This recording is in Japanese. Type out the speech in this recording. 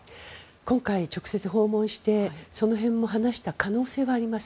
今回、直接訪問してその辺も話した可能性はあります。